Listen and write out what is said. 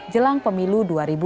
jelang pemilu dua ribu dua puluh